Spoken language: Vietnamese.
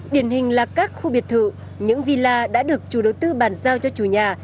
điển hình là các khu biệt thự những villa đã được chủ đầu tư bàn giao cho chủ nhà